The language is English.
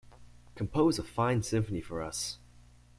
Compose a fine symphony for us!